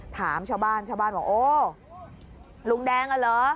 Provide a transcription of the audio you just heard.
ถามชาวบ้านชาวบ้านบอกโอ้ลุงแดงอ่ะเหรอ